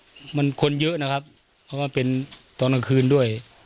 ตรงนั้นก็มีคนเยอะนะครับเพราะว่าเป็นตอนน้ำคืนด้วย